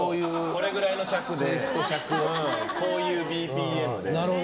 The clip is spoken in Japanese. これくらいの尺でこういうＢＰＭで。